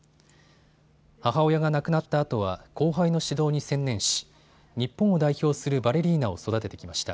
母親が亡くなったあとは後輩の指導に専念し日本を代表するバレリーナを育ててきました。